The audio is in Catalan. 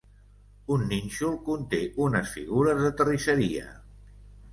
Un nínxol conté unes figures de terrisseria.